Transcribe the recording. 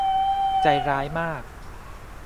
ใจร้ายมาก